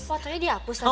fotonya dihapus tante